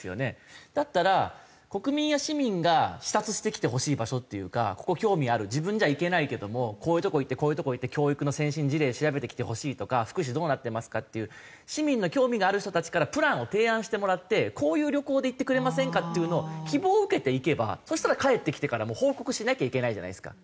だったら国民や市民が視察してきてほしい場所っていうかここ興味ある自分じゃ行けないけどもこういうとこ行って教育の先進事例調べてきてほしいとか福祉どうなってますか？っていう市民の興味がある人たちからプランを提案してもらってこういう旅行で行ってくれませんかっていうのを希望を受けて行けばそしたら帰ってきてからも報告しなきゃいけないじゃないですか。